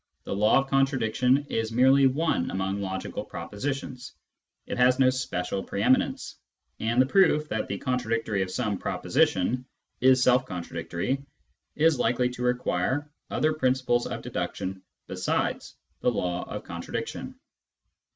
The law of contradiction is merely one among logical propositions ; it has no special pre eminence ; and the proof that the contradictory of some proposition is self contradictory is likely to require other principles of deduction besides the law of contradiction.